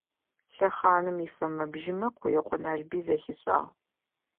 Лъэхъаным ифэмэ-бжьымэ Къуекъо Налбый зэхишӏагъ.